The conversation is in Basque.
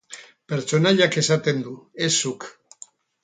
Pertsonaiak esaten du, ez zuk.